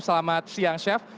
selamat siang chef